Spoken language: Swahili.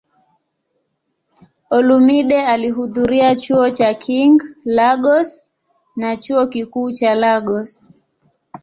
Olumide alihudhuria Chuo cha King, Lagos na Chuo Kikuu cha Lagos.